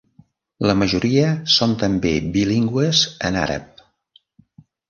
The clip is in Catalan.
La majoria són també bilingües en àrab.